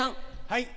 はい。